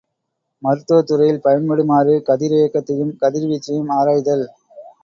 மருத்துவத் துறையில் பயன்படுமாறு கதிரியக்கத்தையும் கதிர்வீச்சையும் ஆராய்தல்.